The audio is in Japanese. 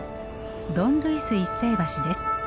ドン・ルイス一世橋です。